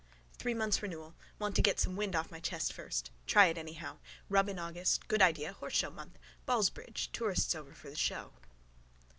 Three months' renewal. Want to get some wind off my chest first. Try it anyhow. Rub in August: good idea: horseshow month. Ballsbridge. Tourists over for the show.